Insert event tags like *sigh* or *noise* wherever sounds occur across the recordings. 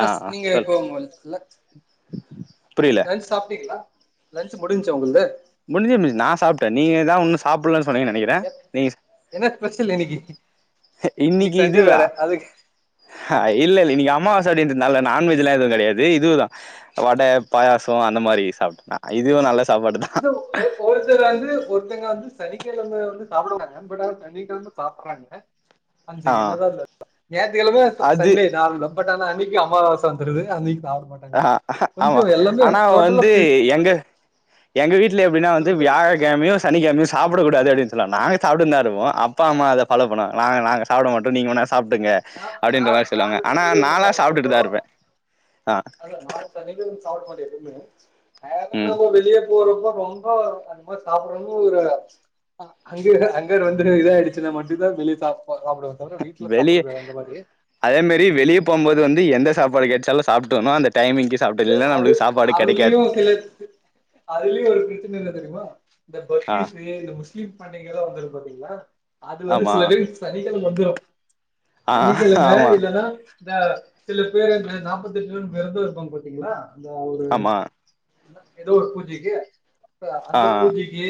ஆ ஆ நீங்க சொல் இப்ப புரியல *unintelligible* சாப்ட்டீங்ளா லன்ஞ்ச் முடிஞ்ச்சா ஒங்குள்து முடிஞ்சு முஞ்சு நா சாப்ட்ட நீங்கதா உன்னு சாப்புட்லன் சொன்னீங்க நெனைக்கிற நீங் என்ன ஸ்பெஷல் இன்னிக்கி இன்னிக்கி இதுவா அ இல்ல இல்ல இன்னிக்கி அம்மாவாச அப்டின்றதுனால நான்வெஜ்லா எதுவு கெடையாது இதுவுதா வட பாயாசோ அந்த மாரி சாப்ட நா இதுவு நல்ல சாப்பாடுதா ஒ ஓ ஒருத்தர் வந்து ஒருத்தங்க வந்து சனிக்கெழம வந்து சாப்ட *unintelligible* பட் சனிக்கெழம சாப்டறாங்க ங்க ஆ *unintelligible* ஞாயத்துக்கெழமை அது சண்டே நார்மலா பட் ஆனா அன்னிக்கு அம்மாவாச வந்துருது அன்னிக்கு சாப்டமாட் ஆ ஆமா ஆனா வந்து பிரி எங்க எங்க வீட்ல எப்டின்னா வந்து சொல்லுங்க சொல்லுங்க வியாழக் கழமயு சனிக்கெழமியு சாப்ட கூடாது அப்டினு சொல்வாங்க நாங்க சாப்ட்டுனு தா இருப்போ அப்பா அம்மா அத ஃபாலோ பன்னுவாங்க நாங்க நாங்க சாப்ட மாட்டோ நீங்க வேணா சாப்டுங்க நா நா அப்டின்ற மாரி சொல்வாங்க நாங்க ஆனா சனிக்கிழமை நாலா சாப்ட்டுட்டுதா இருப்ப இல்ல நான் சனிகெழமியு சாப்டமாட்ட எதுமே மேல ம் நம்ம வெளிய போறப்போ ரொம்ப அந்த மாரி சாப்டுறோன்னு ஒரு அங்கருக்க அங்கனவந்து இத ஆய்டுச்சுன்னா மட்டுந்தா வெளிய சாப்பாடு சாப்டுவ தவுர வீட்ல சா அதேமேரி வெளிய போம்போது வந்து எந்த சாப்பாடு கெட்ச்சாலு சாப்ட்டுனு அந்த டைமிங்கு அது அது அதுலியு சிலது அதுலயு ஒரு பிரச்சன என்ன தெரிமா இந்த ஆ பக்ரீத்து இந்த முஸ்லீம் பண்டிகைல்லா வந்தது பாத்தீங்ளா அது வந்து ஆமா சிலது சனிக்கெழம வந்துரு ஆ சனிக்கெழம ஆமா இல்லனா இந்த சில பேரு நாப்பத்தெட்டு நாள் வெரதொ இருப்பாங்க பாத்தீங்ளா அதுல ஒரு ஆமா ஏதோ ஒரு பூஜைக்கி அ ஆ அந்த பூஜைக்கி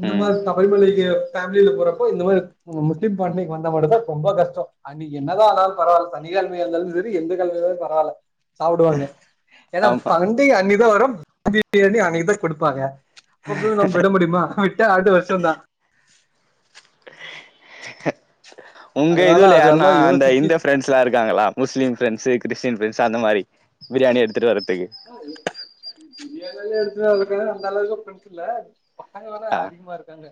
இந்த ம் மாரி தா *unintelligible* ஃபேமில போறப்போ இந்த மாரி முஸ்லீம் ஃபேமிலி வந்த மட்டுந் தா ரொம்ப கஷ்டோ அன்னிக்கி என்னதா ஆனாலு பரவால்ல சனி கெழமையா இருந்தாலு செரி எந்த கெழமயானலூ பரவால்ல சாப்டுவானுங்க ஏன்னா ஆமா பண்டிக அன்னிக்தா வரு பண்டிக *inaudible* பிரியாணி அன்னக்குதா குடுப்பாங்க அப்ப போய் நம்ம விட முடிமா விட்ட அடுத்த வர்ஷோந்தா உங்க அதனால இதுவுல யார்னா அதெல்லா அந்த யோசிச்சு இந்த ஃப்ரெண்ட் ஸ்லா இருக்காங்களா முஸ்லீம் ஃப்ரெண்ட்ஸ்சு கிறிஸ்டீன் ஃப்ரெண்ட்ஸ்சு அந்த மாரி பிரியாணி எடுத்துட்டு வரதுக்கு *inaudible* எனக்கு எடுத்து வரதுக்கு அந்தளவுக்கு ஃப்ரெண்ஸ் இல்ல பசங்லல்ல ஆ அதிகமா இருக்காங்க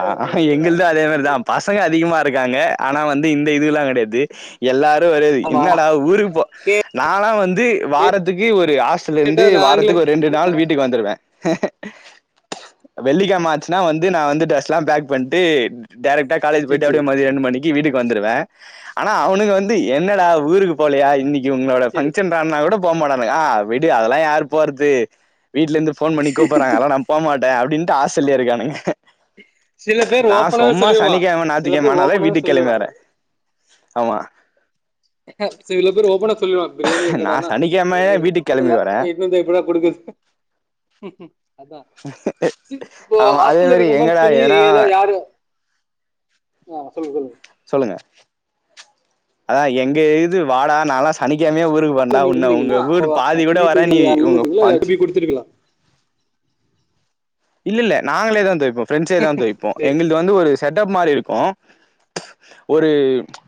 ஆ எடுத்துட்டு எங்களு அதே மாரிதா வர்றதுக்கெல்லா பசங்க அதிகமா இருக்காங்க ஆனா வந்து இந்த இதுகெல்லா கெடையாது எல்லாரு ஒரு ஆமா என்னடா ஊருக்கு போ கே நால்லா வந்து வாரத்துக்கு ஒரு ஆஸ் கேட்டா ட்டலந்து நாங்களே வாரத்துக்கு ஒரு ரெண்டு நாள் வீட் டுக்கு வந்துருவே வெள்ளிக்கெழம ஆச்சுன்னா வந்து நா வந்து ட்ரெஸ் லா பேக் பண்ட்டு டேரெக்டா காலேஜ் சேரி போய்ட்டு அப்டியே சேரி மதிய ரெண்டு மணி க்கி வீட்டுக்கு வந்துருவே ஆனா அவனுங்க வந்து என்னடா ஊருக்கு போலையா இன்னைக்கி உன்னோட சேரி ஃபங்க்ஷன் னா கூட போ மாட்டானுங்க ஆ விடு அதெல்லா யாரு போறது வீட்லருந்து போன் பண்ணி கூப்புறாங்க அதலா போ மாட்டே அப்டின்ட்டு ஹாஸ்டல்லே இருக்கானுங்க சில பேர் நா ஓப்பனாவே சொம்மா சொல்லிருவா சனிக்கிழம சில பேர் நாத்திக்கிழமனாலே ஓப்பனாவே வீட்டுக்கு கெளம்பி சொல்லிருவா வர ஆமா ஆ சில பேரு ஓப்பனா சொல்லிருவா பிரியாணி நா எங்கடானா சனிக்கிழமையே எங்களுக்கு வீட்டுக்கு கெளம்பி பத்தல வரே எத்துனு வந்து எப்பர்றா குடுக்கர்து ம் ம் அதா சி இப்போ ஆமா அதே ஹாஸ்டல்ல மாரி இருக்கறவுங்களா எங்கடா துணி எதனா எல்லா யாரு ஆ சொல்லு சொல்லு சொல்லுங்க ஆ எங்க இது வாடா நாலா சனிக்கெழமையே ஊர் க்கு ஹாஸ்டல்ல போறேன்டா நீங்க ஒன்ன இருந்தீங்கன்னா உங்க ஊரு பாதி கூட வர நீ ஒங்க ஃபங்க்ஷ திருவிழா இல்லல்ல நாங்களே தா தொவைப்போ ஃப்ரெண்ட்ஸே தா தொவைப்போ சேரி எங்களு க்கு வந்து ஒரு செட் அப் மாரி இருக்கு ஒரு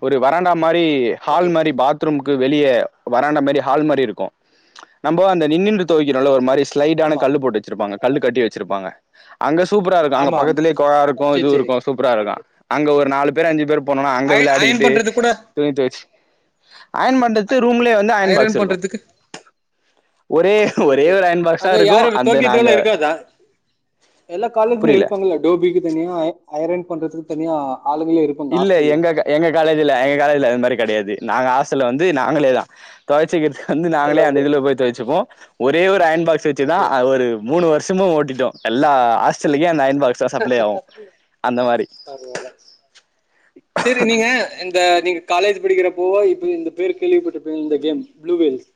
ஒரு வராண்டா மாரி ஹால் ஓகே மாரி பாத் பாத்ரூமுக்கு வெளிய வராண்ட மாரி ஹால் மாரி இருக்கு நம்போ அந்த நின்னுன்டு தொவைக்கிரோல ஒரு மாரி ஸ்லைடான ஆமா கல்லு போட்டு வச்சிருப்பாங்க கல்லு கட்டி வச்சிருப்பாங்க அங்க சூப்பராருக்கு அங்க ஆமா ஆமா பக்கத்திலே கொழா இருக்கு இது சேரி சேரி இருக்கு சூப்பராருக்கு அங்க ஒரு நாலு பேர் அஞ்சு பேர் போனோனா அங்க அய அயன் வெளையாடிட்டு பண்றது கூட துணி துவச் அயன் பண்றது ரூம்லே வந்து அயன் அயரன் பாக்ஸ் இருக்கு பண்றதுக்கு ஒரே ஓகே ஒரே ஓகே ஒரு அயன் பாக்ஸ் தா அங்க இருக்கு யாரு அந்த நாங்க துவைக்கிறதுக்கெல்லா இருக்காதா எல்லா காலேஜ்லியு புரியல இருப்பாங்கல்ல டோபிக்கு தனியா அய ஐயன் பண்றதுக்கு தனியா ஆ ஆளுங்களே இருப்பாங்க இல்ல ஹாஸ்டல்ல எங்க எங்க காலேஜ்ல எங்க காலேஜ்ல அது மாரி கெடையாது நாங்க ஆசல்ல வந்து நாங்களே தா தொவச்சுக்கிறதுக்கு வந்து இல்ல நாங்களே அந்த உங்களுக்கு இதுல போய் தொவச்சிப்போ ஒரே ஒரு அயன் பாக்ஸ் வச்சுதா ஓகே ஆ ஒரு மூணு வர்ஷமு ஓட்டிட்டோ எல்லா ஹாஸ்டலுக்கே அந்த அயன் பாக்ஸ் தா சப்ளை ஆவு அந்த மாரி பாரவால சேரி நீங்க இந்த நீங் காலேஜ் படிக்கிறப்போ இப்ப இந்த பேரு கேள்விப்பட்டுருப்பீங்க இந்த கேம் ப்ளூவேல்ஸ்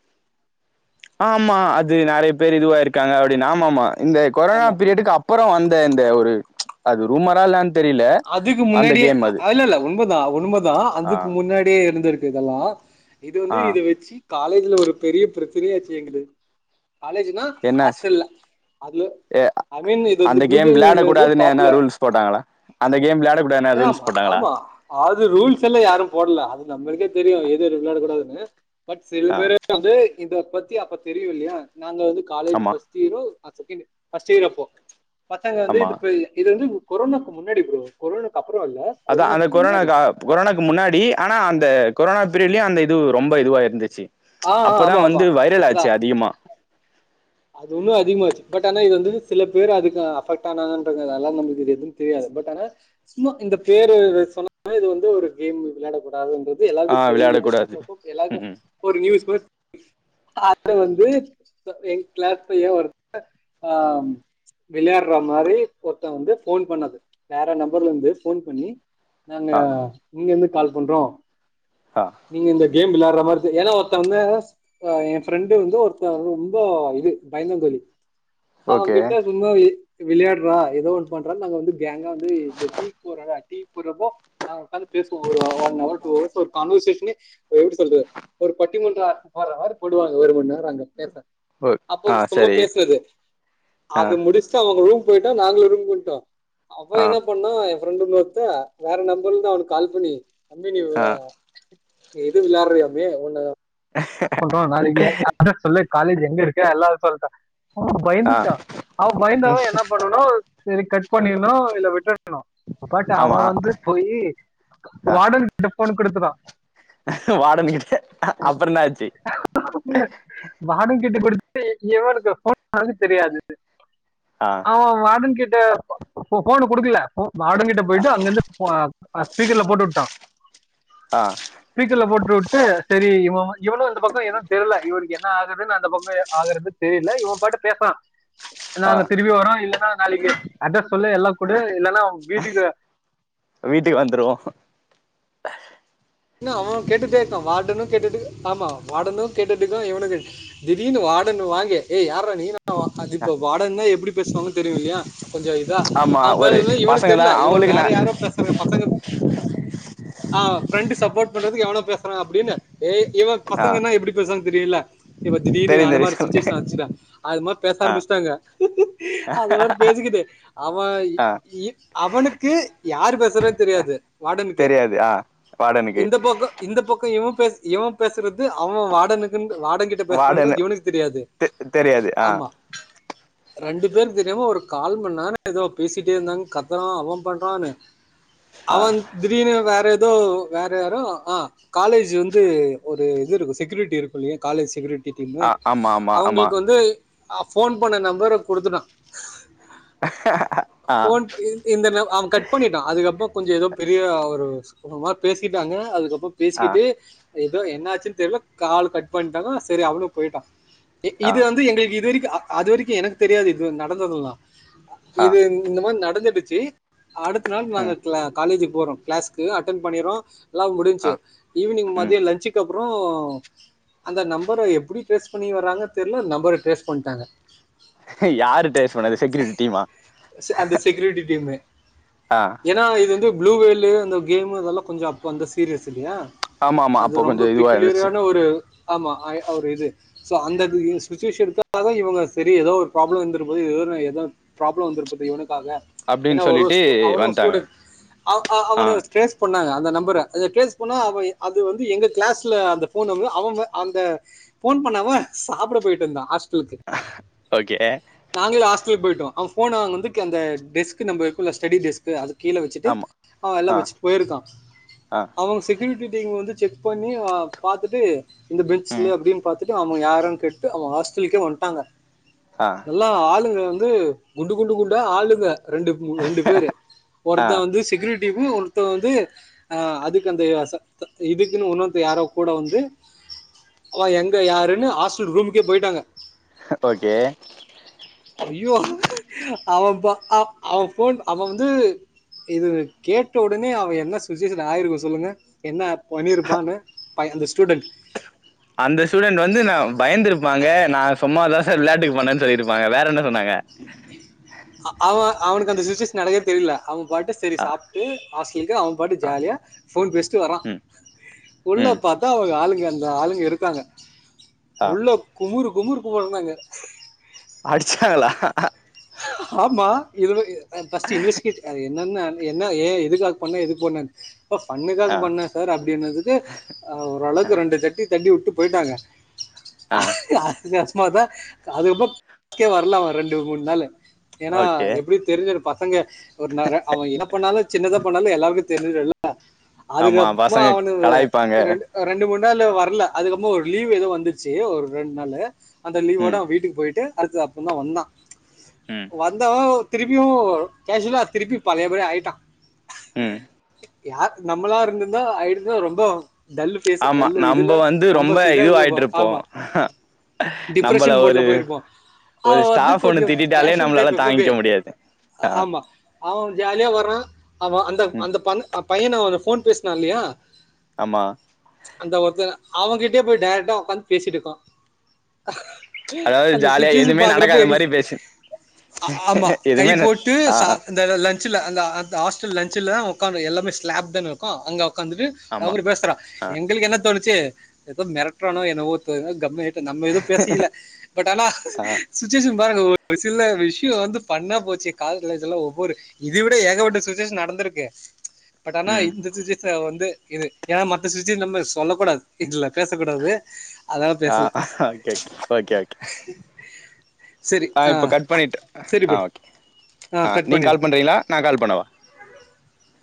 ஆமா அது நெறையா பேரு இதுவாயிருக்காங்க அப்டின்னு ஆமாமா இந்த கொரோனா ஆமா பீரியடுக்கு அப் அப்புறோ வந்த இந்த ஒரு அது ரூமரா இல்ல அதுக்கு முன்னாடியே இல்லல்ல உண்மதா உண்மதா ஆ அதுக்கு முன்னாடியே இருந்துருக்கு இதெல்லா இது வந்து ஆ இத வச்சு காலேஜ்ல ஒரு பெரிய பிரச்சனையேயாச்சு எங்குது காலேஜ்ன்னா என்னாச்சு ஹாஸ்டல்ல அது ஐ மீன் இது அந்த வந்து கேம் ப்ளூவேல்ங்கறது விளையாடக்கூடாதுன்னு எதனா பாப்புலர் ரூல்ஸ் போட்டாங்களா அந்த கேம் வெளையாடக் கூடாதுனு ரூல்ஸ் ஆமா போட்டாங்களா ஆமா அது ரூல்ஸ்ல்லா யாரும் போடல அது நம்மளுக்கே தெரியும் எதெது வெளையாட கூடாதுன்னு பட் சில ஆ பேரு வந்து இத பத்தி அப்ப தெரியு இல்லையா நாங்க வந்து காலேஜ் படிச் ஆமா ஃபிரஸ்ட் இயரோ ஆ செகண்ட் இய ஃபஸ்ட் இயர் அப்போ பசங்க வந்து ஆமா இப்ப இதுக்கு இது வந்து கொரோனா முன்னாடி ப்ரோ கொரோனாக்கு அப்புறோ இல்ல அதா அந்த கொரோனாக்கு கொரானா முன்னாடி கா கொரானாக்கு முன்னாடி ஆனா அந்த கொரானா பீரிட்லயும் அந்த இது ரொம்ப இதுவா இருந்துச்சு ம்ச் ஆ ஆ, அப்பதா ஆமா ஆமா வந்து வைரல் ஆச்சு அதான் அதிகமா அது இன்னு அதிகமாச்சு பட் ஆனா இது வந்து சில பேரு அதுக்கு அஃபெக்ட் ஆனாங்கன்ற அதனால நமக்கு இது எதும் தெரியாது பட் ஆனா சும்மா இந்த பேரு சொன்னா இது வந்து ஒரு கேம் வெளையாடக் கூடாதுன்ற இது து ஆ எல்லாருக்கு தெரிஞ்சது விளையாடக்கூடாது அப்பப்ப ம் எல்லாருக்கும் ம் ஒரு நியூஸ் பார் காத்த வந்து எங் கிளாஸ் பையன் ஒருத்த ஆ விளையாற மாரி ஒருத்தன் வந்து போன் பண்ணது வேற நம்பர்லருந்து போன் பண்ணி நாங்க ஆ இங்க இருந்து கால் பண்றோம் ஆ நீங்க இந்த கேம் விளையாற மாரி இருக்கு ஏன்னா ஒருத்த வந்து என் ரெண்டு வந்து ஒருத்த வந்து ரொம்போ த்து பயந்தங்கோலி அவன் ஓகே கிட்ட சும்மா விளை விளையாடுறா ஏதோ ஒண்ணு பண்ற நாங்க வந்து கேங்கா வந்து இந்த டீக் போடுறோல டீக் போறப்போ நா உக்காந்து பேசுவோம் ஒரு ஒன் அவர் டூ அவர்ஸ் ஒரு கவர்சேஷனே எப்டி சொல்றது ஒரு பட்டி மன்ற ஃபோர் அவர் போடுவாங்க ஒரு மணி நேரம் அங்க பேச ஓ அப்போ ஆ சும்மா சரி பேசுறது ஆ அது முடிச் சுட்டு அவங்க ரூம் போயிட்டு நாங்களும் ரூம்கு வந்துடோ அவ ஆ என்னப் பண்ணா என் ஃப்ரெண்டுல ஒருத்தன் வேற நம்பர்லந்து அவனுக்கு கால் பண்ணி தம்பி நீ ஆ எது விளையாடுறோம்மே ஒண்ணு அரெஸ்ட் பண்ணணு நாளைக்கு அத சொல்ல காலேஜ் எங்க இருக்க எல்லாரும் சொல்டேன் அவ ஆ பயந்துட்டான் அவ பயந்தவன் என்ன பண்ணனு செரி கட் பண்ணிடணு இல்ல விட்ட ன்னு பட் ஆமா அவன் வந்து போயி வாடனுட்ட போன் கொடுத்துட்டா வாடனுகிட்ட அப்புறோ என்ன ஆச்சு வாடன் கிட்ட கொடுத்து ஏவனுக்கு போன் வாங்க தெரியாது ஆ ஆ வாடன் கிட்ட போன் கொடுக்கல வாடன் கிட்ட போயிட்டு அங்கிருந்து பா ஆ ஸ்பீக்கர்ல போட்டு விட்டா ஆ ஸ்பீக்கர்ல போட்டு விட்டு செரி இவ இவனும் அந்த பக்கோ எதும் தெரில இவருக்கு என்ன ஆகுதுன்னு அந்த பக்கோ ஆகறது தெரில இவன் பாட்டு பேசுறான் ஆ நாங்க திரும்பி வரோம் இல்லன்னா நாளைக்கி அட்ரஸ் சொல்லு எல்லா கூடே இல்லன்னா உன் வீட்டுக்கு வீட்டுக்கு வந்துருவோ என்ன அவன் கேட்டுட்டே இருக்கான் வார்டனும் கேட்டுட்டு ஆமா வார்டனும் கேட்டுட்டு இருக்கா இவனும் கே திடீர்னு வாடன் வாங்கி ஏய் யார்ரா நீ னா ஆ அது இப்ப வாடன்னா எப்டி பேசுவாங்கன் தெரியும் இல்லையா கொஞ்சோ த ஆமா அவன் ஒரு பேசுற இவனுக்கு பசங்க தா தெரியல இவன் அவங்களுக்கு வேற நா யாரோ பேசுறாங்க பசங்க ஆ பிரெண்டு சப்போர்ட் பண்றதுக்கு எவ்ளோ பேசுறா அப்படின்னு ஏய் இவன் ஆ பசங்கன்னா எப்டி பேசுவாங்க தெரியும்ல இப்ப திடீர்னு தெரியு தெரியு அந்தமாரி ஒரு சொல்லுங்க சுச்சுவேஷன் ஆச்சுல்ல அது மாரி பேச ஆ ஆரம்பிச்சட்டாங்க அது மாரி பேசிக்கிட்டு அவ ஆ இ அவனுக்கு யாரு பேசுறான் தெரியாது வார்டனுக் தெரியாது ஆ வாடனுக்கு இந்த பக்கோ இந்த பக்கோ இவ பேஸ் இவ பேசுறது அவ வாடனுக்குன் வாடங்கிட் ட வாடனு பேசுறான்றது இவனுக்கு தெரியாது தெ தெரியாது ஆ ஆமா ரெண்டு பேருக்கு தெரியாம ஒரு கால்மண் நேரம் ஏதோ பேசிட்டே இருந்தாங்க கத்துறா அவ பண்றான்னு ஆ அவன் திடீர்னு வேற ஏதோ வேற யாரோ ஆ காலேஜ் வந்து ஒரு இது இருக்கு செக்யூரிட்டி இருக்கு இல்லையா காலேஜ் செக்யூரிட் டினு ஆ ஆமா ஆமா ஆமா அவுங்களுக்கு வந்து ஆ ஃபோன் பண்ண நம்பர குடுத்துட்டா ஆ ஃபோன் ப இ இந்த ந அவ கட் பண்ணிட்டா அதுக்கப்புற கொஞ்ச ஏதோ பெரிய ஒரு சுமூகமா பேசிட்டாங்க அதுக்கப்புற ஆ பேசிட்டு ஏதோ என்ன ஆச்சுன்னு தெர்ல காலு கட் பண்ட்டாங்க சரி அவனும் போயிட்டா இ ஆ இது வந்து எங்களுக்கு இது வரைக்கு அ அது வரைக்கு எனக்கு தெரியாது இது நடந்ததுல்லா ஆ இது இந்த மாரி நடந்துடுச்சு அடுத்த நாள் நாங்க ம் க்ளா காலேஜுக் போறோ கிளாஸ்க்கு அட்டன் பண்ணிறோ எல்லா ஆ முடிஞ்சுச்சு ஈவ்னிங் ம் மதிய லஞ்சுக்கப்புறோ அந்த நம்பர எப்டி டிரேஸ் பண்ணி வராங்கன் தெர்ல நம்பர டிரேஸ் பண்ட்டாங்க யாரு டேஸ் பண்ணது செக்யூரிட்டி டீமா அந்த செக்யூரிட்டி டீம்மு ஆ ஏன்னா இது வந்து ப்ளூவேல்லு அந்த கேமு அதெல்லா கொஞ்ச அப்ப வந்த சீரியஸ் இல்லையா ஆமா ஆமா அது அப்போ ரொம்ப கொஞ்சோ இதுவா இருந்துச்சு பிக்குளியரான ஒரு ஆமா ஆ ஒரு இது சோ அந்த இது சுச்சுவேஷனுக்காக இவுங்க சரி ஏதோ ஒரு ப்ராப்ளம் வந்துரப் போது ஏதோ ஒன்னு ஏதோ ப்ராப்ளம் வந்துரப்போவுது இவனுக்காக ஏன்னா அப்டின்னு ஒரு சொல்லிட்டு ஸ் அவனு வந்ட்டாங்க ஸ்டூடண்ட் ஆ ஆ அவன ட்ரேஸ் பண்ணாங்க அந்த நம்பர அத கேஸ் பண்ணா அவ அது வந்து எங்க கிளாஸ்ல அந்த ஃபோன் நம்பர் அவ வந்து அந்த ஃபோன் பண்ணாம சாப்புட போயிட்ருந்தா ஹாஸ்டலுக்கு ஓகே நாங்களு ஹாஸ்டலுக் போயிட்டோ அவ ஃபோன அங்க வந்து க அந்த டெஸ்க்கு நம்ப இருக்குல்ல ஸ்டடி டெஸ்க் கு அது கீழ வச்சுட்டு ஆமா அவ வெள்ல ஆ வச்சுட்டு போயிருக்கா ஆ அவங்க செக்யூரிட்டி டீம் வந்து செக் பண்ணி ஆ பாத்துட்டு இந்த ம் பெஞ்சுல அப்டின்னு பாத்துட்டு அவ யாருன் கேட்டு அவ ஹாஸ்டலுக்கே வந்ட்டாங்க ஆ நல்லா ஆளுங்க வந்து குண்டு குண்டு குண்டா ஆளுங்க ரெண்டு மூ ரெண்டு பேரு ஆ ஒருத்த வந்து செக்யூரிட்டி டீமு ஒருத் த வந்து ஆ அதுக்கு அந்த ச த இதுக்குன்னு உணர்ந்து யாரோ கூட வந்து அவ எங்க யாருன்னு ஹாஸ்டல் ரூமுக்கே போயிட்டாங்க ஹ ஓகே ஐயோ அவ பா ஆ அவ ஃபோன் அவ வந்து இது கேட் ட ஒடனே அவ என்ன சுச்சுவேஷன்ல ஆயிருக்கு சொல்லுங்க என்ன பண்ணிருப்பான்னு ஃபை அந்த ஸ்டூடெண்ட் அந்த ஸ்டூடண்ட் வந்து ந பயந்துருப்பாங்க நா சும்மா தா சார் விளையாட்டுக்கு பண்ணேன்னு சொல்லிருப்பாங்க வேற என்ன சொன்னாங்க அவ அவனுக்கு அந்த சுச்சுவேஷன் நடக்கறதே தெரியல அவ பாட்டு செரி ஆ சாப்ட்டு ஹாஸ்டலுக்கு அவ பாட்டு ஆ ஜாலியா ஃபோன் பேசிட்டு வரா ம் உள்ள ம் பாத்தா அவங்க ஆளுங்க அந்த எல்லா ஆளுங்க இருக்காங்க ஆ உள்ள குமுறு குமுறு குமுறுனாங்க அடிச்சாங்களா ஆமா இது ஆ ஃபஸ்ட்டு இன்வெஸ்ட் கெட் அது என்னென்ன என்ன ஏ எதுக்காக பண்ண எதுக்கு பண்ணன் அப்போ ஃபன்னுக்காக ஆ பண்ண சார் அப்டின்னதுக்கு அ ஓரளவுக்கு ரெண்டு ஜட்டி தட்டி உட்டு பொய்டாங்க ஆ *unintelligible* மாதா அதுக்கப்றோ *inaudible* வர்ல அவ ரெண்டு மூண் நாளு ஏனா ஓகே எப்டி தெரிஞ்சிரு பசங்க ஒரு நேர அவ என்ன பண்ணாலு சின்னத பண்ணாலு எல்லாருக்கு தெர்ஞ்சிடுல ஆமா அதுக்கப்மா பசங்க அவனுவு கலாய்ப்பாங்க எ ரெண்டு அ ரெண்டு மூண் நாளு வர்ல அதுக்கப்புமா ஒர் லீவ் எதோ வந்துச்சு ஒர் ரெண் நாளு அந்த ம் லீவோட வீட்டுக்கு போயிட்டு அடுத்தது அப்புந்தா வந்தா ம் வந்தவ திருப்பியு கேஷுலா திருப்பியு பழையபடி ஆயிட்டா ம் யார் நம்பளா இருந்துந்தா ஆயிடுந்தா ரொம்பொ டல்லு பேஸு ஆமா டல்லு நம்ப இதுலா வந்து ரொம்ப சிதா இருந்துப்பா இதுவாயிட்டு இருப்போ ஆமா நம்பள டிப்ரஷன் மோட்ல ஒரு போயிருப்போ அவ ஒரு வந்து ஸ்டாஃப் கொஞ்சோ ஒண்ணு திட்டிட்டாலே கேஷ் சேல் நம்மளால டேப்பு இப்பபே தாங்கிக்க முடியாது ஆ ஆமா அவ ஜால்யா வர்றா அவ அந்த ம் அந்த பந்த அ பையன அவன ஃபோன் பேஸ்னா இல்லயா ஆமா அந்த ஒர்த்த அவங்கிட்யே போய் டேரக்டா ஒக்காந்து பேசிட்டுக்கா அதாவது அந்த ஜாலியா சுச்சுவேஷன் எதுவுமே பாக்குறப்ப நடக்காத எங்கு மாரி பேசு அ ஆமா கை எதுவுமே ந போட்டு ஆ ச ஆ அந்த ல லன்சில அந்த அந்த ஆஸ்ட்டுல லன்சில அவ உக்காந் எல்லாமே ஸ்லாப் தான இருக்கு அங்க ஒக்காந்துட்டு அவ ஆமா கூட பேசுறா ஆ எங்களுக்கு என்ன தோணுச்சு எதோ மெரட்றானோ என்னவோ *unintelligible* நம்ம எது பேசிக்கல பட் ஆனா ஆ சுச்சுவேஷன் பாருங்க ஒர் ஒரு சில்ல விஷ்யோ வந்து பண்ணா போச்சு காலஜ்லா அதுலா ஒவ்வொரு இதுவிட ஏகபட்ட சுச்சுவேஷன் நடந்துருக்கு பட் ஆனா ம் இந்த சுச்சுவேஷன் வந்து இது ஏன்னா மத்த சுச்சு நம்ம சொல்ல கூடாது இதுல பேசக்கூடாது அதனால ஆ பேசல ஒகேகே ஓகே ஒகே சரி அ ஆ இப் இப்ப கட் பண்ணிட்டு சரி அ ப்ரோ ஓகே ஆ அ கட் நீங் பண்ணிரு கால் பண்றிங்ளா நா கால் பண்ணவா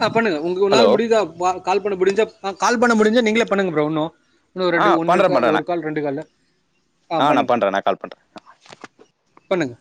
அ பண்ணங்க உங்குக்கு நாள் ஹலோ முடி து பா கால் பண்ண முடிஞ்சா கால் பண்ண முடிஞ்ச நீங்ளே பண்ணுங்க உன்னு தோ ஆ ரெண்டு ஒன்னு பண்றே க பண்றே நா ஒரு கால் ரெண்டு கால்ல ஆ நா பண்ற நா கால் பண்றே பண்ணுங்